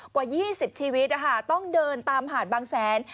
กว่า๒๐ชีวิตต้องเดินตามหาดบางแสน